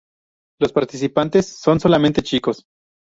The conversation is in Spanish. Los participantes son solamente chicos.